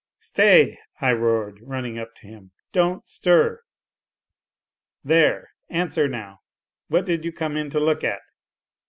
" Stay !" I roared, running up to him, " don't stir ! There. Answer, now : what did you come in to look at